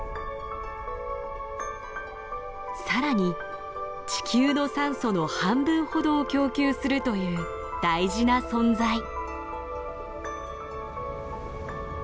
さらに地球の酸素の半分ほどを供給するという大事な存在。